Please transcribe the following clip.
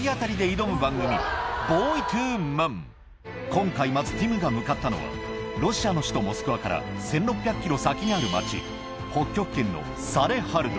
今回まずティムが向かったのはロシアの首都モスクワから１６００ｋｍ先にある町北極圏のサレハルド